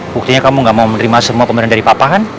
buktinya kamu gak mau menerima semua pemberian dari papa kan